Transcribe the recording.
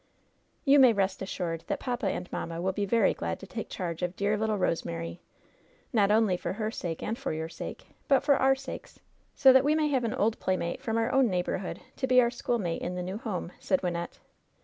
"You may rest assured that papa and mamma will be very glad to take charge of dear little Rosemary; not only for her sake and for your sake, but for our sakes, 80 that we may have an old playmate from our own neighborhood to be our schoolmate in the new home," said Wynnette.